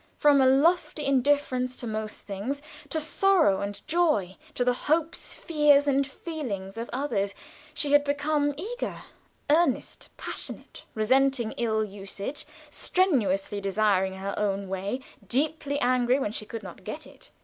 From a lofty indifference to most things, to sorrow and joy, to the hopes, fears, and feelings of others, she had become eager, earnest, passionate, resenting ill usage, strenuously desiring her own way, deeply angry when she could not get it.